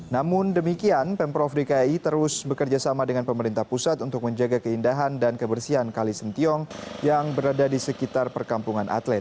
namun demikian pemprov dki terus bekerja sama dengan pemerintah pusat untuk menjaga keindahan dan kebersihan kali sentiong yang berada di sekitar perkampungan atlet